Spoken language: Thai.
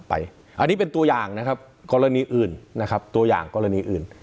อันนี้เป็นตัวอย่างนะครับกรณีอื่นนะครับตัวอย่างกรณีอื่น